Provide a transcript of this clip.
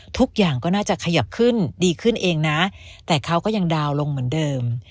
ทุกอย่างก็น่าจะขยับขึ้นดีขึ้นเองนะแต่เขาก็ยังดาวน์ลงเหมือนเดิม